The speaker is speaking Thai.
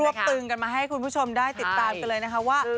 วบตึงกันมาให้คุณผู้ชมได้ติดตามกันเลยนะคะว่า